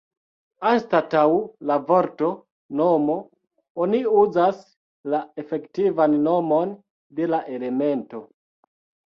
Anstataŭ la vorto "nomo" oni uzas la efektivan nomon de la elemento.